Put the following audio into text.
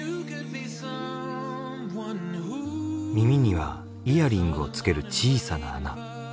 耳にはイヤリングをつける小さな穴。